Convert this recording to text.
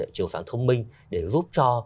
chiếu sáng thông minh để giúp cho